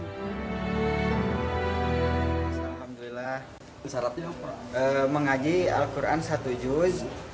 alhamdulillah mengaji al quran satu jus